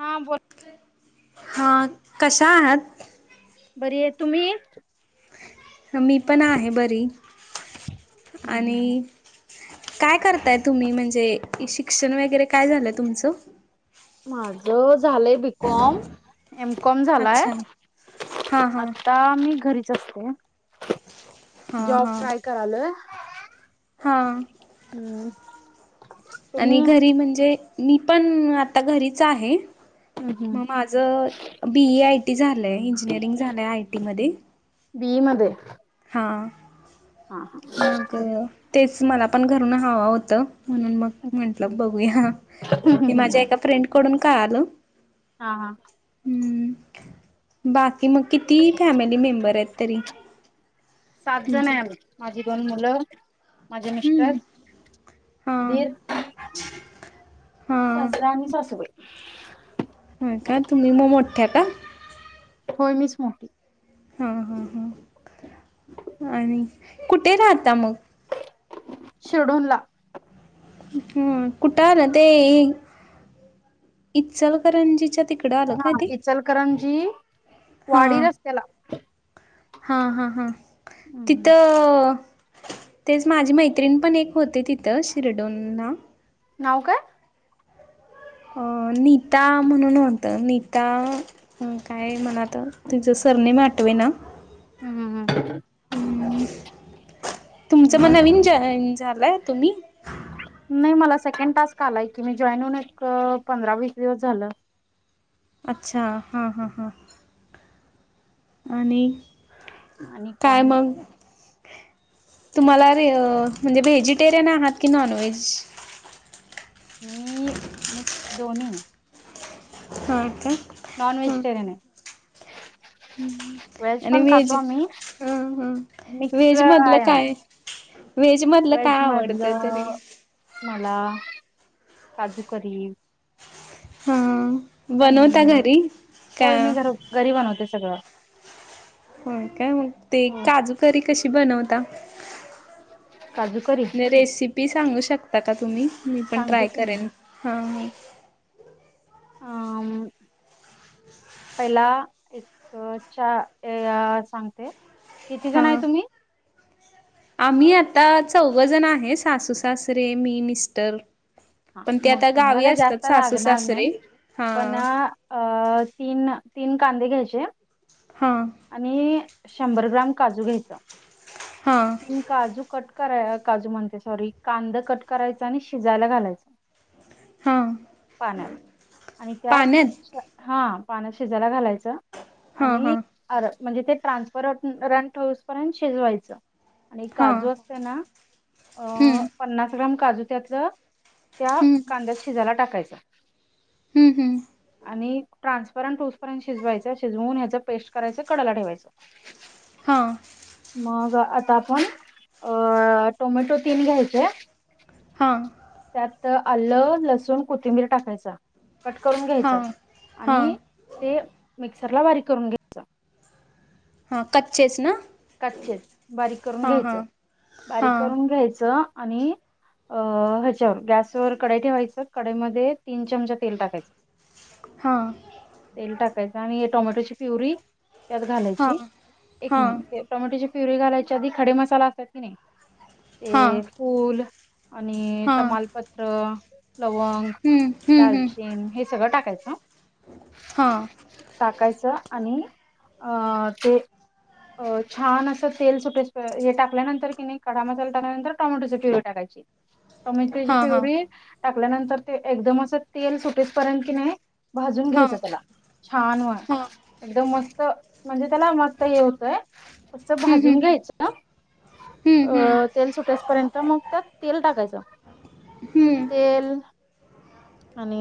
हा बोल हा कशा आहात? बरी आहे. तुम्ही? मी पण आहे बरी हम्म आणि काय करताय तुम्ही, म्हणजे शिक्षण वगैरे काय झालंय तुमचं? माझ झालंय बी कॉम. एम कॉम झालाय अच्छा हां हां आता मी घरीच असते जॉब ट्राय करायलोय. हा हम्म तुम्ही? आणि घरी म्हणजे- मी पण आता घरीच आहे. हम्म हम्म मग माझं बी ए आयटी झालंय इंजिनिअरिंग झालंय आयटी मध्ये बी इ मध्ये हा हा हा मग तेच मला पण घरून हवं होतं म्हणून मग म्हंटलं बघूया ही माझ्या एका फ्रेंडकडून कळाल. हा हा हम् बाकी मग किती फॅमिली मेंबर आहेत तरी सात जण तुमचं आहे आम्ही माझी दोन मुलं माझे मिस्टर, हम्म हां दिर हां सासरा आणि सासबाई हो का तुम्ही म मोठ्या का होय मीच मोठी हा- हा- हा आणि कुठे राहता मग- शिडूल ला हम कुठं आलं ते इ इचलकरंजीच्या तिकडं आलं हा का ते इचलकरंजी वाडी रस्त्याला- हा -हा -हा तिथ- तेच माझी मैत्रिण पण एक होती तिथं शिरडोंन ला नाव काय अ नीता म्हणून होत नीता आणि काय म्हणतस [inaudible] [inaudible] म अठवे ना हम्म हम्म तुमचं मग नवीन जाॅइ [inaudible] झालाय तुम्ही- नाही मला सेकंड टास्क आलाय की मी जॉईन होऊन एक पंधरा वीस -दिवस झालं अच्छा हा -हा -हा आणि आणि काय नाही तुम्हाला रे अं म्हणजे व्हेजिटेरियन आहात की नॉन व्हेज मी -मी दोन्ही ह काय नाॉन व्हेजिटेरीयन आहे [unintelligible] ह आणि पण व्हेज खातो आम्ही हम -हम मिक्स व्हेज मधलं आहे आम्ही. काय व्हेज मधलं व्हेज काय आवडत मधलं तरी- मला काजू करी- हा बनवता पणीर घरी का होय मी घरी -घरी बनवते सगळं- होय काय मग ते हो काजू करी कशी बनवता काजूकरी रेसिपी सांगू शकता का तुम्ही- मी पण सांगते ट्राय की मी करेन हा- म- आ [unintelligible] पहिला एक चा सांगते किती जण आहे हां तुम्ही- आम्ही आता चौघ जण आहे सासू सासरे मी मिस्टर हा पण ते मग आता तुम्हाला गावी काय असतात जास्त सासू लागणार सासरे नाही हा पण अ तीन -तीन कांदे घ्यायचे हा आणि शंभर ग्राम काजू घ्यायचा हा तीन काजू कट- करा काजू म्हणते सॉरी कांदा कट करायचा आणि शिजायला घालायचा हा पाण्यात आणि त्यात पाण्यात हा- पानं शिजायला घालायचं हा आणि -हा अर.. म्हणजे ते ट्रान्सफर- रंट होऊस पर्यंत शिजवायचं आणि हा काजू असतं ना अ- हम्म पन्नास ग्रॅम काजू त्यातलं त्या हम्म कांद्यात शिजायला टाकायचा हम्म -हम्म आणि ट्रान्सपरंट होऊस पर्यंत शिजवायच शिजवून ह्याच पेस्ट करायचं कडला ठेवायचं हां [unintelligible] मग आता आपण अ- टोमॅटो तीन घ्यायचे हा त्यातं आलं, लसूण, कोथिंबीर टाकायचं कट करून घ्यायचं हां हां आणि ते मिक्सरला बारीक करून घ्यायचं हा कचेच ना कचेच बारीक करून हां हां घ्यायचं बारीक हां करून घ्यायचं आणि अ- हेच्यावर गॅसवर कढई ठेवायच कढईमध्ये तीन चमचा तेल टाकायचं हां तेल टाकायचं आणि टोमॅटोची प्युरी त्यात घालायची हां एक हां मिनिट टोमॅटोची प्युरीे घालायच्या आधी खडे मसाला असतात की नाही हां ते फूल आणि हां तमालपत्र लवंग हम्म हम्म हम्म दालचीन हे सगळं टाकायचं हां [inaudible] टाकायचं आणि अ-ते अ.. छान असं तेल सुटेस-पर्यंत हे टाकल्यानंतर कि नाही खडा मसाला टाकल्यानंतर टोमॅटोची प्युरी टाकायची टोमॅटोची हां हां प्युरी टाकल्यानंतर ते एकदम असं तेल सुटेस पर्यंत की नाही भाजून हां घ्यायच त्याला छान व हां एकदम मस्त म्हणजे त्याला मस्त हे होतय असं हम्म भाजून हम्म हम्म घ्यायचं हम्म हम्म अ- तेल सुटेस पर्यंत मग त्यात तेल टाकायचं हम्म. तेल आणि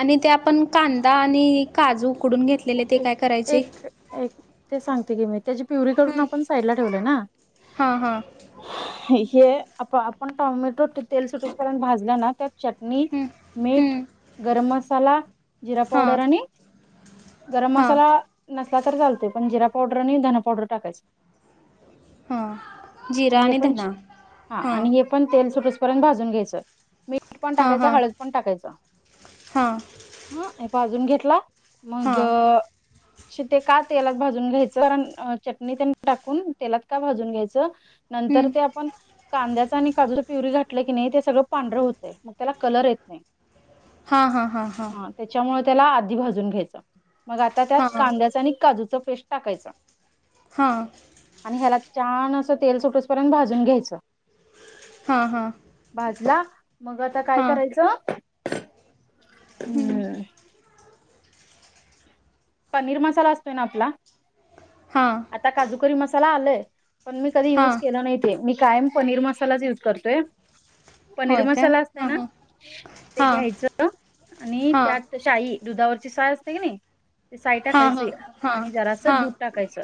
आणि ते आपण कांदा आणि काजू उकडून घेतलेले ते एक काय करायचे? एक एक ते सांगते की मी त्याची प्युरी करून हम्म. आपण साईडला ठेवलय ना हा हा हे आप -आपण टोमॅटो ते तेल सुटुसपर्यंत भाजलं ना त्यात चटणी, हम्म मीठ, हम्म गरम मसाला, जिरा हा पावडर आणि गरम हा मसाला नस नसला तर चालतोय पण जिरा पावडर आणि धन पावडर टाकायच. हा. जिरा आणि हे पण धना -हा आणि हे पण तेल सुटुस पर्यंत भाजून घ्यायचं मीठ पण हा टाकायचं हा हळद पण टाकायचं हा भाजून घेतला हा मग [unintelligible] ते का तेलात भाजून घ्यायचं कारण चटणी त्यांनी टाकून तेलात का भाजून घ्यायचं नंतर हम्म. ते आपण कांद्या त्यात आणि काजूची प्युरी घातलं की नाही ते सगळं पांढर होतय मग त्याला कलर येत नाही. हा- हा- हा- हा.. हां त्याच्यामुळे त्याला आधी भाजून घ्यायचं मग आता त्यात हा कांद्याच आणि काजूच पेस्ट टाकायचं हा. आणि ह्याला छान अस तेल सुटुसपर्यंत भाजून घ्यायचं हा -हा भाजला मग आता काय हा करायचं? हम्म.. पनीर मसाला असतोय ना आपला हा आता काजूकरी मसाला आलंय पण मी कधी हा युज केलं नाही ते, मी कायम पनीर मसालाच युज करते पनीर होय काय मसाला असतय हा ना हा ते हा घ्यायचं, आणि हा त्यात शाई दुधावरची साय असते कीनी ती साय हा हा टाकायची हा आणि जरास हा दूध टाकायचं.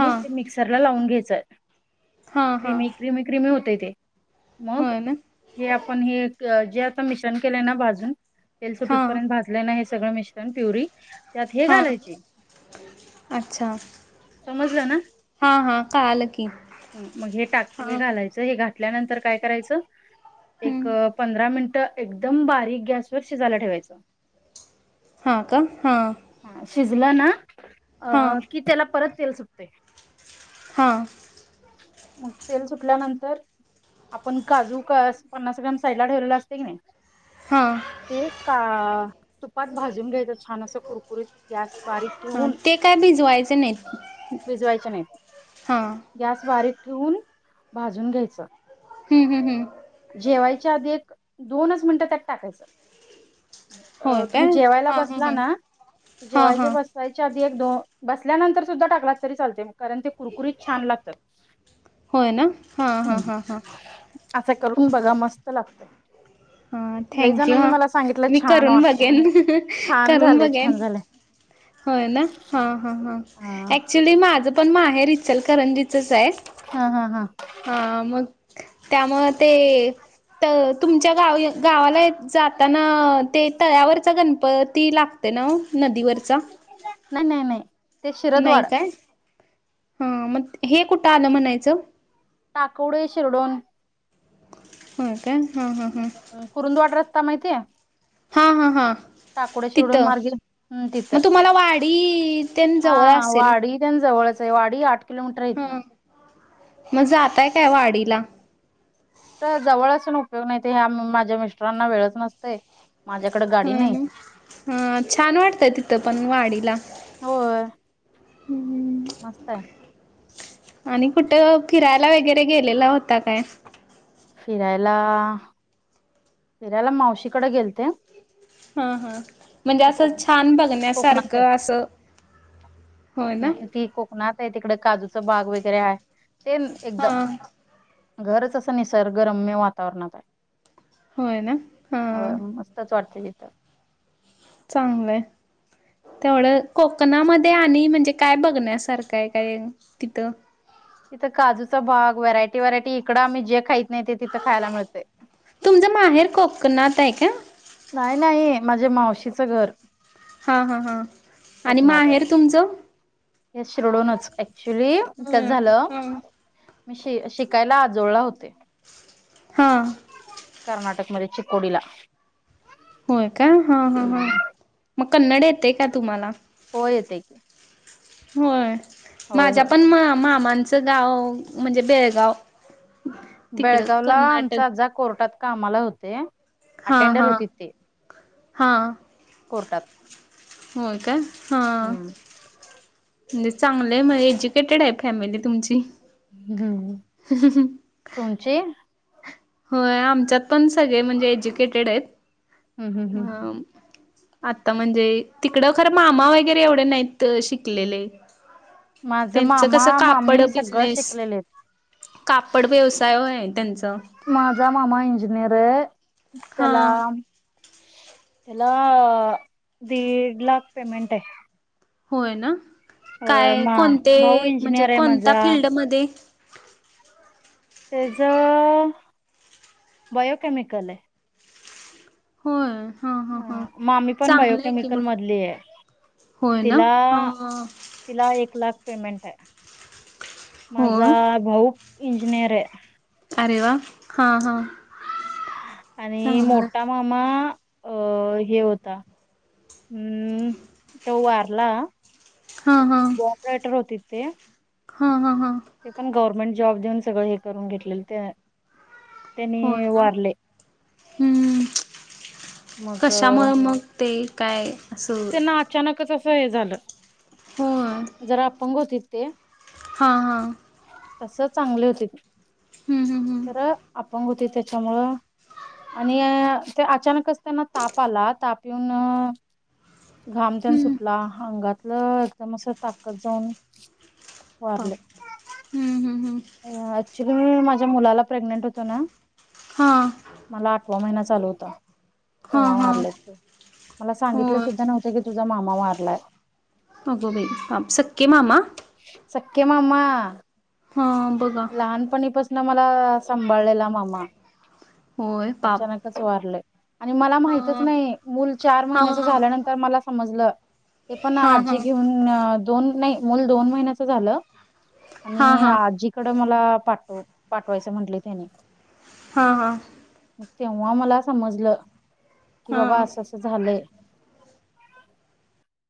हा ते मिक्सरला लावून घ्यायचंय हा हा क्रिमी क्रिमी क्रिमी होतेय ते मग होय ना हे आपण हे जे आता मिश्रण केलंय ना भाजून तेल हा सुटूसपर्यंत भाजलय ना हे सगळं मिश्रण प्युरी? त्यात हे हा घालायचे. अच्छा समजलं ना हां हां कळालं की मग हे टाक हे हां घालायचं हे घ ल्यानंतर काय करायच हं. एक पंधरा मिन एकदम बारीक गॅस वर शिजायला ठेवायचं. हा का हां ह शिजलं ना अ हां की त्याला परत तेल सुटते. हा मग तेल सुटल्यानंतर आपण काजू पन्नास ग्राम साइडला ठेवलेला असते की नाही हां ते का तुपात भाजून घ्यायचं छान असं कुरकुरीत गॅस बारीक हां ठेवून ते काय भिजवायचे नाहीत भिजवायच्या नाईत. हां गॅस बारीक ठेवून भाजून घ्यायच हम्म हम् हम् जेवायच्या आधी एक दोनच मिनिटं त्यात टाकायचं अ होय काय तुम्ही जेवायला हां हां बसला हां ना, हां जेवायचे हां बसवायच्या बसल्यानंतर सुद्धा टाकला तरी चालते कारण ते कुरकुरीत छान लागतात. होय ना? हा हा हा हा. असं करून बघा मस्त लागतोय. हा थँक यू हा सांगितलं मी छान करून वाटतय बघेन छान करून झालंय बघेन. छान झालंय होय ना हा हा हा अऍक्च्युली माझं पण माहेर इचलकरंजीचच आहे. हा हा हा हा मग त्यामुळं ते तर तुमच्या गाव गावाला जाताना ते तळ्यावरचा गणपती लाग ना नदीवर नाही नाही नाही ते शिरदवाड हा मग हे कुठं आलं म्हणायचं. टाकोडे शिरडून हो का हा हा हा ता माहिती हा हा हा टाकोडे शिवडून मार्गे हम्म तिथं. मग तुम्हाला वाडी तेन हा जवळ हा असेल वाडी तेन जवळच वाडी आठ किलोमीटर इतन हां मग जाताय काय वाडीला तर जवळचण उपयोग नाही ह्या माझ्या मिस्टरांना वेळच नसते. ह ना हं छान वाटतंय तिथं पण वाडीला होय मस्त आहे. आणि कुठं फिरायला वगैरे गेलेला होता काय? फिरायला फिरायायला मावशीकडे गेलते. हा हा म्हणजे ती कोक असं छान कोकणात बघण्यासारखं आहे असं होय ना नाही ती कोकणात आहे तिकडे काजू बाग वगैरे आहे ते एकद हा घरच असं निसर्गरम्य वातावरणात आहे होय ना ह हा मस्तच वाटते तिथं चांगलंय तेवढं कोकणामध्ये आणि म्हणजे काय बघण्यास सारखं आहे काय तिथं इथं काजूचा भाग व्हरायटी वरायटी इकड आम्ही जे खा नाहीेत तिथं खायला मिळते नात आहे का नाही नाही माझ्या मावशीचं घर हा हा हा आणि कोकणात आहे माहेर तुमचं हे शिरडूनच ऍक्च्युली काय हम्म झालं हम्म मी श शिकायला आजोळला होते हा कर्नाटकमध्ये चिकोडीला होय का हा हा हा हम् मग कन्नड येते का तुम्हाला होयत क होय माझ्या पण मा मामांचं गाव म्हणजे बेळगाव तिकडं बेळगावला आमचा आज कर्नाटक कोर्टात कामाला होते हा अटेंडर हा होती ते हा कोर्टात हो काय हा हम्म म्हणजे चांगलं आहे एज्युकेटेड आहे फॅमिली तुमची हम्म सुणची हो आमच्यात पण सगळे म्हणजे एज्युकेटेड आहेत हम्म हम्म अ आता म्हणजे तिकडं खरं मामा वगैरे एवढे नाहीत शिकलेले माझं त्यांचं मामा कसं कापड मामी सगळं बिजनेस शिकलेले आहेत. कापड व्यवसाय आहे त्यांचा माझा मामा इंजिनियर आहे हा त्याला त्याला दीड लाख पेमेंट आहे होय ना अ काय मा कोणते भाऊ म्हणजे इंजिनियर आहे कोणत्या माझा फिल्डमध्ये त्याच बायोकेमिकल आहे हो ह मामी पण बायोकेमिकल मधली आहे होय ना तिला हा तिला एक लाख पेमेंट आहे माझा होय भाऊ इंजिनिअर आहे अरे वा हा हा आणि चांगलं मोठा मामा अ हे होता हम् तो वारला हा हा कॉपरेटर होती ते हा हा हा ते पण गव्हर्नमेंट जॉब देऊन सगळं हे करून घेतलेलं ते होय त्यांनी ना वारले हम्म मग कशामुळे मग ते काय असं त्यांना अचानकच असं हे झालं होय जरा अपंग होती ते हा हा तस चांगले होते हम्म हम्म हम्म तर अंग होती त्याच्यामुळं आणि ते अचानकच त्यांना ताप आला ताप येऊन घाम त्यान हम्म सुटला अंगातलं एकदम अस ताकद जाऊन प वारले. हम्म हम् हम् ऍक्च्युली मी माझ्या मुलाला प्रेग्नेंट होतो ना? हा सव्वा महिना चालू होता. हा तेव्हा हा वारले मया ला सांगितले होय सुद्धा नव्हते की तुझा मामा वारलाय. अगं बाई पाप सक्कके मामा? सक्के मामा? हा बघा. लहानपणीपासून मला सांभाळलेला मामा होय पाप अचानकच वारलय. आणि मला हा माहितच नाही मूल चार हा महिन्याच झाल्यानंतर मला समजलं. ते पण हा हा हा आजी घेऊन न दोन नाही मूल दोन महिन्याच झालं. हा हा आणि आजीकडं मला पाठव पाठवायचं म्हटले त्यानी. हा हा तेव्हा मला समजलं की हा बाबा असं असं झालंय.